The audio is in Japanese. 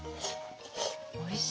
おいしい。